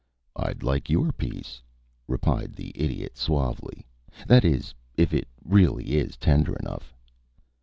"I'd like your piece," replied the Idiot, suavely. "That is, if it really is tender enough."